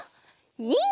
ニン！